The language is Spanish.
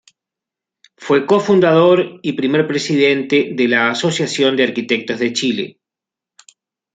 Fue co-Fundador y primer presidente de la Asociación de Arquitectos de Chile.